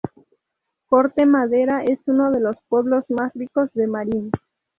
Corte Madera es uno de los pueblos más ricos de Marin.